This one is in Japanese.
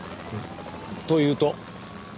というと？